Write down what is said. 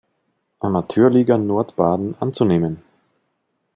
Amateurliga Nordbaden anzunehmen.